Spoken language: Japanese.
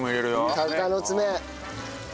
鷹の爪。